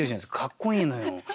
かっこいいのよ。